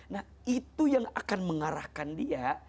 nah itu yang akan mengarahkan dia